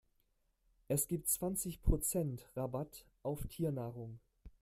Es gibt zwanzig Prozent Rabatt auf Tiernahrung.